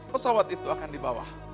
pesawat itu akan di bawah